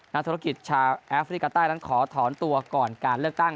นักธุรกิจชาวแอฟริกาใต้นั้นขอถอนตัวก่อนการเลือกตั้ง